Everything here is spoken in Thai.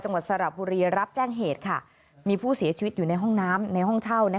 จังหวัดสระบุรีรับแจ้งเหตุค่ะมีผู้เสียชีวิตอยู่ในห้องเช่า